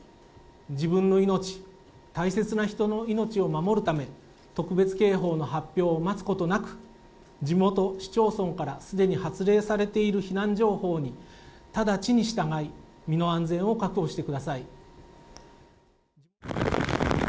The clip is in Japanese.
自分の命大切な人の命を守るため特別警報の発表を待つことなく地元市町村からすでに発令されている避難所のほうに直ちに従い身の安全を確保してください。